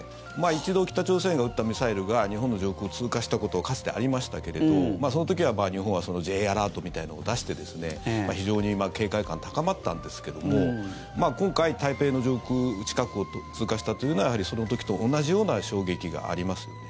一度北朝鮮が撃ったミサイルが日本の上空を通過したことかつてありましたけれどその時は日本はＪアラートみたいなのを出して非常に警戒感高まったんですけども今回、台北の上空近くを通過したというのはその時と同じような衝撃がありますよね。